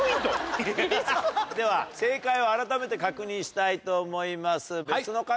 では正解をあらためて確認したいと思います。